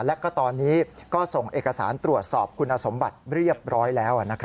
และก็ตอนนี้ก็ส่งเอกสารตรวจสอบคุณสมบัติเรียบร้อยแล้ว